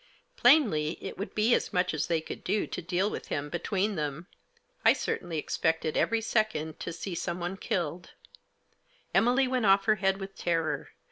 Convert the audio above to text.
Plainly it would be as much as they could do to deal with him between them. I certainly expected every second to see someone killed, Emily went off her head with terror.